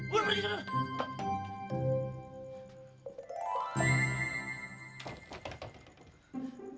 gue pergi sekarang